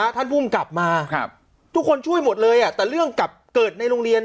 ท่านภูมิกลับมาทุกคนช่วยหมดเลยแต่เรื่องกลับเกิดในโรงเรียน